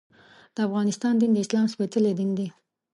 د افغانستان دین د اسلام سپېڅلی دین دی.